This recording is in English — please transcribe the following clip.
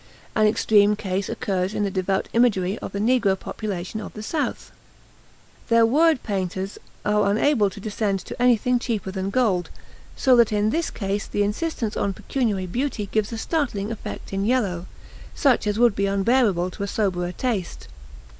An extreme case occurs in the devout imagery of the Negro population of the South. Their word painters are unable to descend to anything cheaper than gold; so that in this case the insistence on pecuniary beauty gives a startling effect in yellow such as would be unbearable to a soberer taste.